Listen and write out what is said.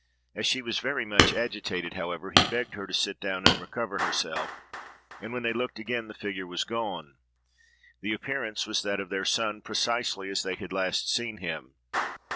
As she was very much agitated, however, he begged her to sit down and recover herself; and when they looked again, the figure was gone. The appearance was that of their son, precisely as they had last seen him.